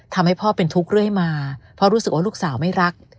ทำให้พ่อเป็นทุกข์เรื่อยมาเพราะรู้สึกว่าลูกสาวไม่รัก